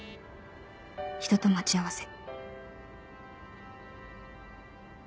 「人と待ち合わせ」。